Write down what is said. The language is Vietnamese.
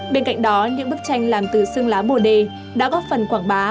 bên cạnh đó những bức tranh làm từ xương lá bồ đề đã góp phần quảng bá